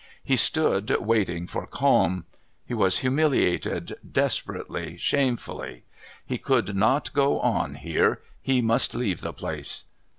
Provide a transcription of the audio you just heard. He stood waiting for calm. He was humiliated, desperately, shamefully. He could not go on here; he must leave the place.